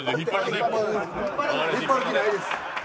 引っ張る気ないです。